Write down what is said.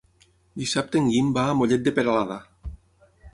Dissabte en Guim va a Mollet de Peralada.